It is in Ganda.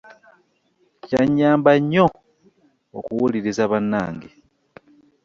Kyannyamba nnyo okuwuliriza bannange.